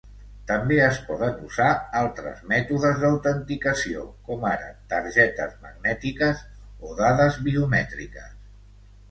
També es poden usar altres mètodes d'autenticació, com ara targetes magnètiques o dades biomètriques.